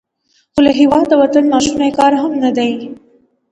خو له هیواده وتل ناشوني کار هم نه دی.